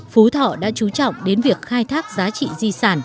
phú thọ đã trú trọng đến việc khai thác giá trị